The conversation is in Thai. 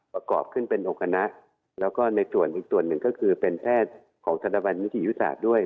ประกอบขึ้นเป็น๖คณะแล้วก็ในส่วนอีกส่วนหนึ่งก็คือเป็นแพทย์ของธนบันวิทยาศาสตร์ด้วย